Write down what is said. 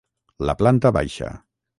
La planta baixa.